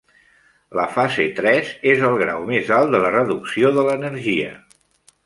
La fase tres és el grau més alt de la reducció de l'energia.